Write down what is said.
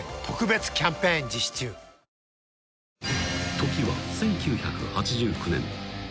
［時は１９８９年］